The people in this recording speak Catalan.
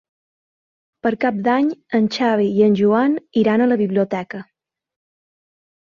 Per Cap d'Any en Xavi i en Joan iran a la biblioteca.